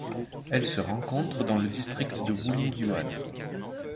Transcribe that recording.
Elle se rencontre dans le district de Wulingyuan.